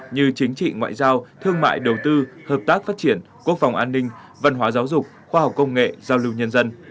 như chính trị ngoại giao thương mại đầu tư hợp tác phát triển quốc phòng an ninh văn hóa giáo dục khoa học công nghệ giao lưu nhân dân